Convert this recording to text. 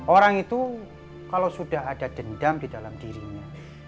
orang itu kalau sudah ada dendam di dalam dirinya